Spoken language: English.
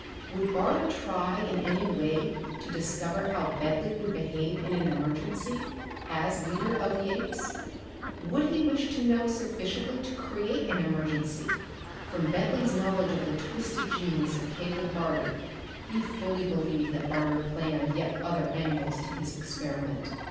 Would Barter try in any way to discover how Bentley would behave in an emergency as leader of the apes? Would he wish to know sufficiently to create an emergency? From Bentley's knowledge of the twisted genius of Caleb Barter, he fully believed that Barter planned yet other angles to his experiment.